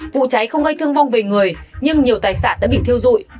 vụ cháy không gây thương vong về người nhưng nhiều tài sản đã bị thiêu dụi